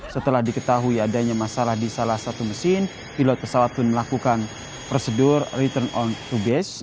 setelah diketahui adanya masalah di salah satu mesin pilot pesawat pun melakukan prosedur return on to base